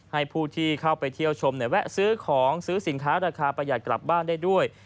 ให้ผู้ที่เข้าไปเที่ยวชมแวะซื้อของซื้อสินค้าราคาประหยัดกลับบ้านได้ด้วย